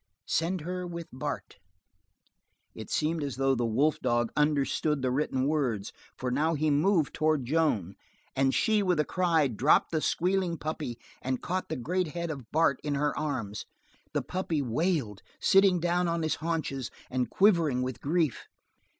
Send her with Bart." It seemed as though the wolf dog understood the written words, for now he moved toward Joan and she, with a cry, dropped the squealing puppy and caught the great head of Bart in her arms. The puppy wailed, sitting down on his haunches, and quivering with grief.